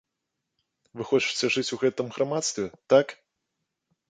Вы хочаце жыць у гэтым грамадстве, так?